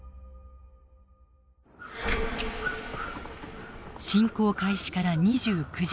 侵攻開始から２９時間。